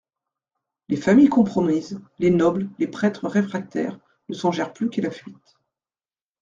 Les familles compromises, les nobles, les prêtres réfractaires, ne songèrent plus qu'à la fuite.